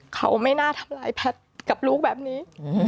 เขาไม่น่าทำร้ายแพทย์กับลูกแบบนี้